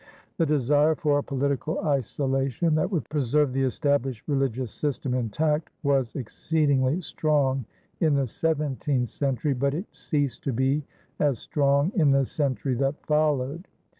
The desire for a political isolation that would preserve the established religious system intact was exceedingly strong in the seventeenth century, but it ceased to be as strong in the century that followed.